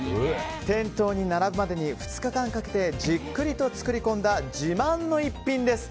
店頭に並ぶまでに２日間かかけてじっくりと作りこんだ自慢の一品です。